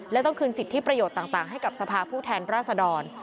และต้องคืนสิทธิประโยชน์ต่างให้กับสภาผู้แทนราษดร